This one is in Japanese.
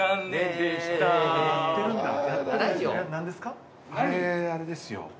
・あれですよ。